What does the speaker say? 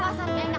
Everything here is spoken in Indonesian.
mbak ya allah